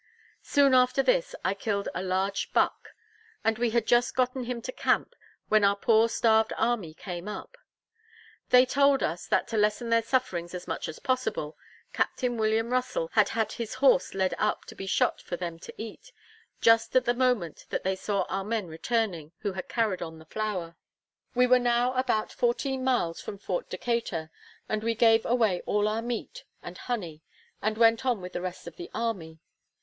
Soon after this, I killed a large buck; and we had just gotten him to camp, when our poor starved army came up. They told us, that to lessen their sufferings as much as possible, Captain William Russell had had his horse led up to be shot for them to eat, just at the moment that they saw our men returning, who had carried on the flour. We were now about fourteen miles from Fort Decatur, and we gave away all our meat, and honey, and went on with the rest of the army.